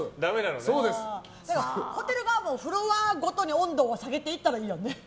ホテル側もフロアごとに温度を下げていったらええやんね。